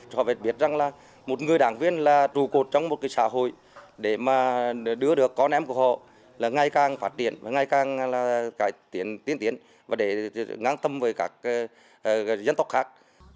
họ biết rằng là một người đảng viên là trù cột trong một cái xã hội để mà đưa được con em của họ là ngày càng phát triển ngày càng tiến tiến và để ngang tâm với các dân tộc khác